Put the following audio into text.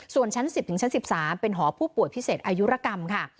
ส่วนชั้น๑๐ถึงชั้น๑๓เป็นหอผู้ป่วยพิเศษอายุรกรรมค่ะ